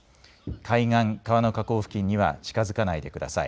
海岸、川の河口付近には近づかないでください。